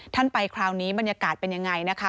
ท่านไปคราวนี้บรรยากาศเป็นยังไงนะคะ